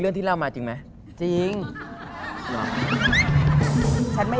เรื่องที่เล่ามาจริงไหม